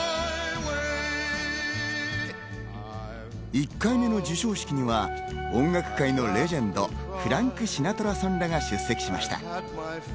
１回目の授賞式には音楽界のレジェンド、フランク・シナトラさんらが出席しました。